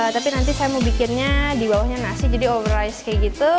tapi nanti saya mau bikinnya dibawahnya nasi jadi over rice kayak gitu